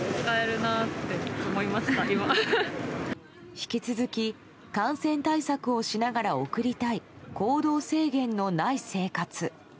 引き続き、感染対策をしながら送りたい、行動制限のない生活。